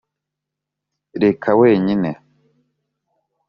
reka wenyine